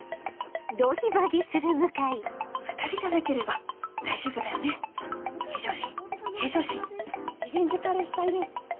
２人じゃなければ大丈夫だよリベンジカレーしたいです！